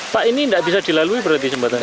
pak ini enggak bisa dilalui berarti jembatannya